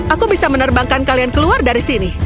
aku bisa menerbangkan kalian keluar dari sini